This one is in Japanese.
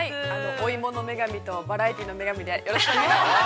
◆お芋の女神と、バラエティーの女神で、お願いします。